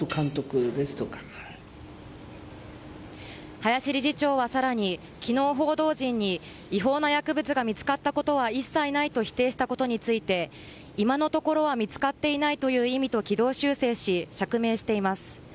林理事長はさらに昨日、報道陣に違法な薬物が見つかったことは一切ないと否定したことについて今のところは見つかっていないという意味と軌道修正し、釈明しています。